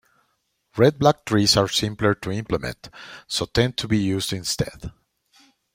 Red-black trees are simpler to implement, so tend to be used instead.